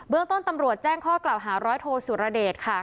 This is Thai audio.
เรื่องต้นตำรวจแจ้งข้อกล่าวหาร้อยโทสุรเดชค่ะ